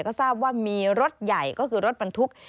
ก็ทราบว่ามีรถใหญ่ก็คือรถบรรทุก